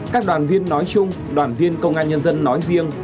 các đoàn viên nói chung đoàn viên công an nhân dân nói riêng